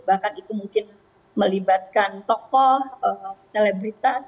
bahkan itu mungkin melibatkan tokoh selebritas